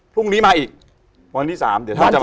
พรุ่งนี้มาอีกวันที่สามเดี๋ยวท่านจะมา